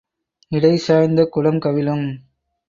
இடை சாய்ந்த குடம் கவிழும்.